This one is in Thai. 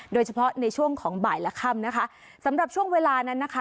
โดยเฉพาะในช่วงของบ่ายและค่ำนะคะสำหรับช่วงเวลานั้นนะคะ